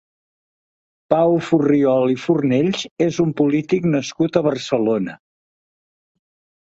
Pau Furriol i Fornells és un polític nascut a Barcelona.